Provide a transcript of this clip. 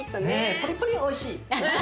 ポリポリおいしい。